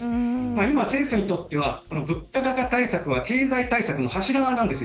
今、政府にとっては物価高対策は経済対策の柱なんです。